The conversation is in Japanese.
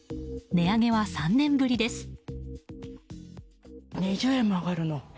値上げは３年ぶりです。